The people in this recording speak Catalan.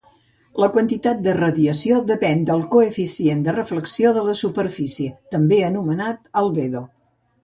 La quantitat de radiació depèn del coeficient de reflexió de la superfície també anomenat albedo.